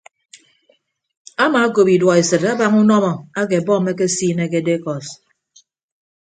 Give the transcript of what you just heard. Amaakop iduọesịt abaña unọmọ ake bọmb ekesiine ke dekọs.